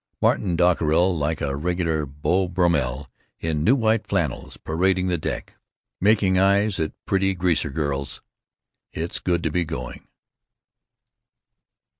Martin Dockerill like a regular Beau Brummel in new white flannels, parading the deck, making eyes at pretty Greaser girls. It's good to be going.